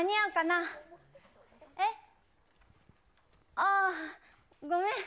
ああ、ごめん。